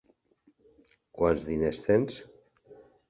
Quants diners tens?